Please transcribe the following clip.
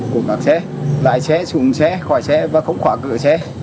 cùng các xe lái xe chuông xe khóa xe và khống khóa cửa xe